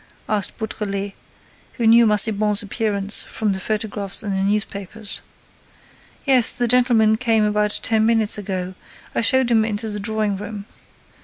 asked Beautrelet, who knew Massiban's appearance from the photographs in the newspapers. "Yes, the gentleman came about ten minutes ago; I showed him into the drawing room.